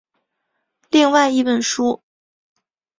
另外一本书。